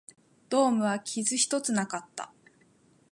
ドームは傷一つなかった